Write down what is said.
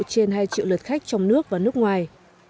trên hai triệu lượt khách trong nước và nước ngoài